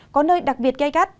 có nơi đặc biệt cay cắt